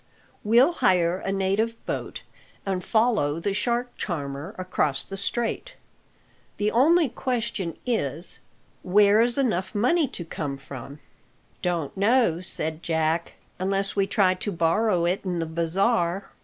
We'll hire a native boat, and follow the shark charmer across the Strait. The only question is, where's enough money to come from?" "Don't know," said Jack, "unless we try to borrow it in the bazaar."